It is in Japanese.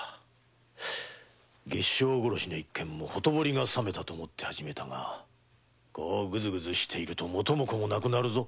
月照殺しの一件もほとぼりが冷めたと思って始めたがグズグズしていると元も子もなくなるぞ。